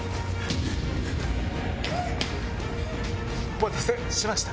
お待たせしました。